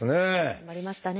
頑張りましたね。